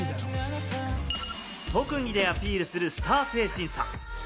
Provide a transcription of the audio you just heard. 特技でアピールするスター性審査。